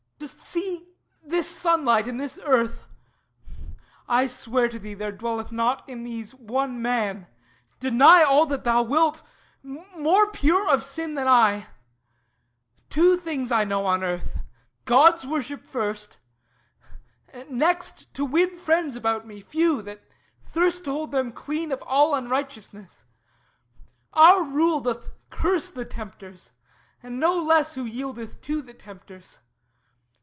Dost see This sunlight and this earth? I swear to thee There dwelleth not in these one man deny All that thou wilt! more pure of sin than I. Two things I know on earth: God's worship first; Next to win friends about me, few, that thirst To hold them clean of all unrighteousness. Our rule doth curse the tempters, and no less Who yieldeth to the tempters.